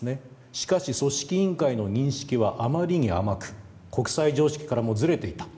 しかし、組織委員会の認識はあまりに甘く国際常識からもずれていた。